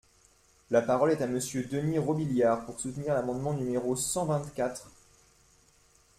La parole est à Monsieur Denys Robiliard, pour soutenir l’amendement numéro cent vingt-quatre.